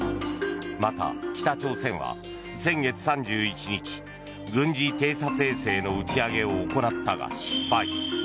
また、北朝鮮は先月３１日軍事偵察衛星の打ち上げを行ったが失敗。